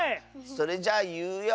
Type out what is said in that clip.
それじゃいうよ！